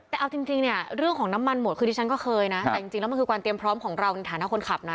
แต่เอาจริงเนี่ยเรื่องของน้ำมันหมดคือที่ฉันก็เคยนะแต่จริงแล้วมันคือการเตรียมพร้อมของเราในฐานะคนขับนะ